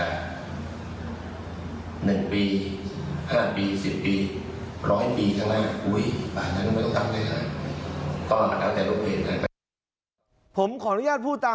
การเงินมันมีฝ่ายฮะ